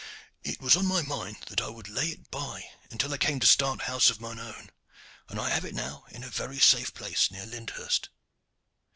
It was on my mind that I would lay it by until I came to start house of mine own, and I have it now in a very safe place near Lyndhurst."